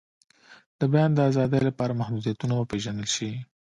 د بیان د آزادۍ لپاره محدودیتونه وپیژندل شي.